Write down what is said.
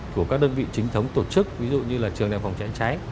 của các đơn vị chính thống tổ chức ví dụ như là trường đại phòng cháy cháy